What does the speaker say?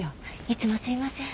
いつもすいません。